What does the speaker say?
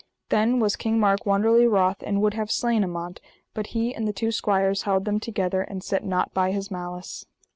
Then was King Mark wonderly wroth and would have slain Amant; but he and the two squires held them together, and set nought by his malice.